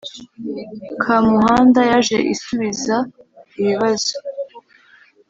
kamuhanda yaje isubiza ibibazo